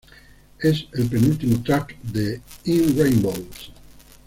Es el penúltimo track de "In Rainbows".